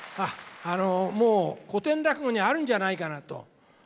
あのもう古典落語にあるんじゃないかなと。